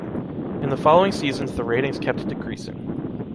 In the following seasons the ratings kept decreasing.